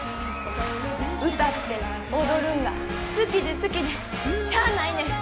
歌って踊るんが好きで好きでしゃあないねん。